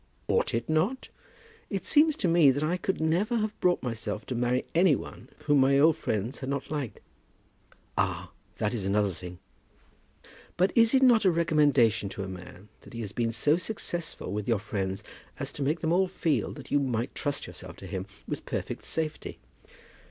"Ought it not? It seems to me that I could never have brought myself to marry any one whom my old friends had not liked." "Ah! that is another thing." "But is it not a recommendation to a man that he has been so successful with your friends as to make them all feel that you might trust yourself to him with perfect safety?"